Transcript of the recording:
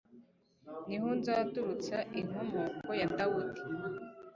ni ho nzaturutsa inkomoko ya dawudi